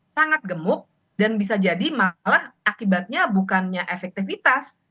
sangat gemuk dan bisa jadi malah akibatnya bukannya efektivitas